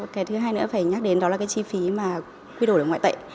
cái thứ hai nữa phải nhắc đến đó là cái chi phí mà quy đổi ở ngoại tệ